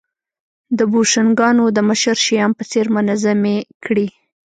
د بوشونګانو د مشر شیام په څېر منظمې کړې